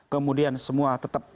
kemudian semua tetap